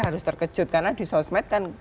harus terkejut karena di sosmed kan